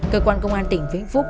cơ quan công an tỉnh vĩnh phúc